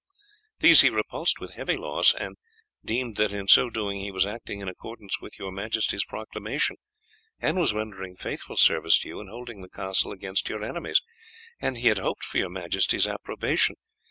These he repulsed with heavy loss, and deemed that in so doing he was acting in accordance with your majesty's proclamation, and was rendering faithful service to you in holding the castle against your enemies, and he had hoped for your majesty's approbation.